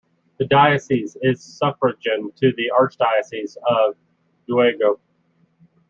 The diocese is suffragan to the Archdiocese of Daegu.